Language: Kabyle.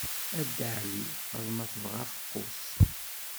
A Dda Ɛli! Faḍma tebɣa afeqqus.